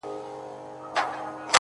• باندي شعرونه ليكم ـ